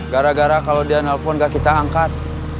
gara gara kalau dia nelpon gak kita angkat